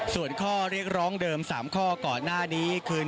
ส่วนข้อเรียกร้องเดิม๓ข้อก่อนหน้านี้คือ